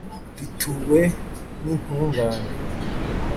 rituwe n’intungane